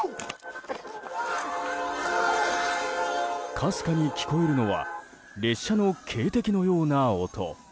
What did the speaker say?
かすかに聞こえるのは列車の警笛のような音。